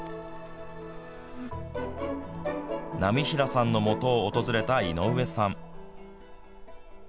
浪平さんのもとを訪れた井上さん。